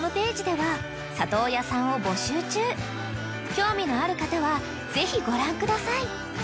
［興味のある方はぜひご覧ください］